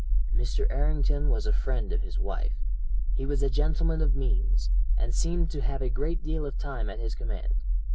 "Mr. Errington was a friend of his wife. He was a gentleman of means, and seemed to have a great deal of time at his command.